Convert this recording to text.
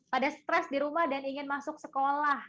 pada stres di rumah dan ingin masuk sekolah